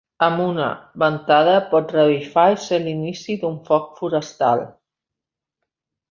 Amb una ventada pot revifar i ser l'inici d'un foc forestal.